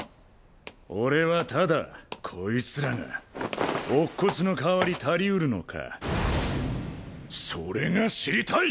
俺はただこいつらが乙骨の代わり足りうるのかそれが知りたい！